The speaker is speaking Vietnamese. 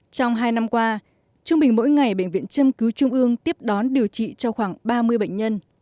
trong hai năm qua trung bình mỗi ngày bệnh viện châm cứu trung ương tiếp đón điều trị cho khoảng ba mươi bệnh nhân